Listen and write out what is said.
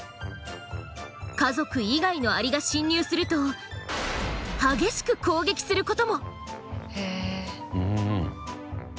家族以外のアリが侵入すると激しく攻撃することも。